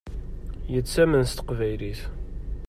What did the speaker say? Yettamen s teqbaylit.